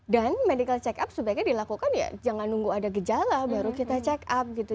dan medical check up sebaiknya dilakukan ya jangan nunggu ada gejala baru kita check up gitu